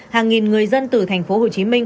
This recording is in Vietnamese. hàng nghìn người dân từ thành phố hồ chí minh